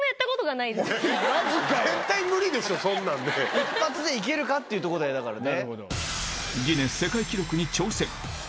一発でいけるかっていうとこだよだからね。